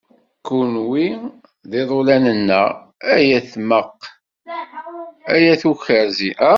Kunwi d iḍulan-nneɣ, ay at tmaq, ay at ukerzi.